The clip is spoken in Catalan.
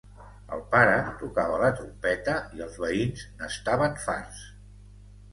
El pare tocava la trompeta i els veïns n'estaven farts.